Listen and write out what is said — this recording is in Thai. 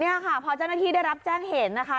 นี่ค่ะพอเจ้าหน้าที่ได้รับแจ้งเหตุนะคะ